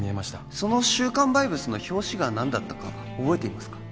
その週刊バイブスの表紙が何だったか覚えていますか？